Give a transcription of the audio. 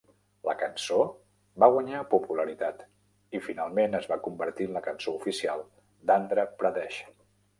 La cançó va guanyar popularitat i finalment es va convertir en la cançó oficial d'Andhra Pradesh.